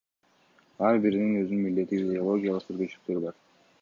Ар биринин өзүнүн милдети, физиологиялык өзгөчөлүктөрү бар.